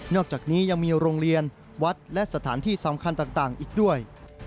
อกจากนี้ยังมีโรงเรียนวัดและสถานที่สำคัญต่างอีกด้วย